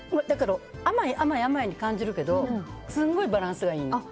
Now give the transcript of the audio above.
甘い、甘いに感じるけどすごいバランスがいいの。